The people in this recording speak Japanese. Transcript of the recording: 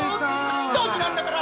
ドジなんだから！